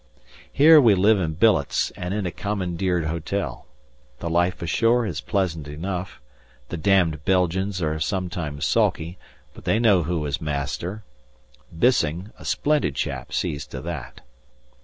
Here we live in billets and in a commandeered hotel. The life ashore is pleasant enough; the damned Belgians are sometimes sulky, but they know who is master. Bissing (a splendid chap) sees to that.